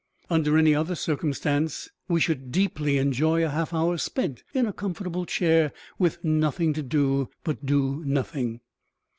Under any other circumstances we should deeply enjoy a half hour spent in a comfortable chair, with nothing to do but do nothing.